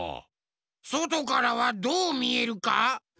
そとからはどうみえるか？